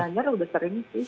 di anyar udah sering sih